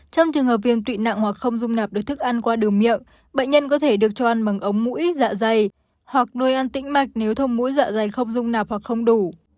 trong trường hợp viêm tụy nặng hoặc không dung nạp được thức ăn qua đường miệng bệnh nhân có thể được cho ăn bằng ống mũi dạ dày hoặc nuôi ăn tĩnh mạch nếu thông mũi dạ dày không dung nạp hoặc không đủ